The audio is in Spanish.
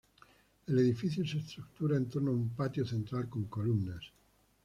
El edificio se estructura en torno a un patio central con columnas.